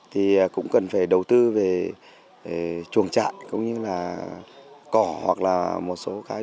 thì cũng cần phải đầu tư về chuồng trại cũng như là cỏ hoặc là một số cái